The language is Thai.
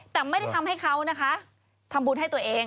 แต่ไม่ได้ทำให้เขานะคะทำบุญให้ตัวเอง